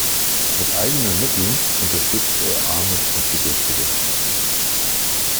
Mit eigenen Mitteln unterstützte er Arme und Bedürftige.